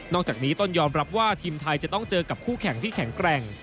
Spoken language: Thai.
จากนี้ต้นยอมรับว่าทีมไทยจะต้องเจอกับคู่แข่งที่แข็งแกร่ง